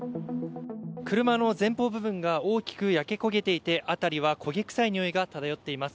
車の前方部分が大きく焼け焦げていて辺りは、焦げ臭いにおいが漂っています。